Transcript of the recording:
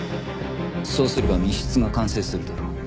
そうすれば密室が完成するだろ？